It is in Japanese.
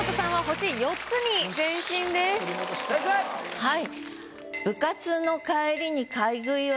はい。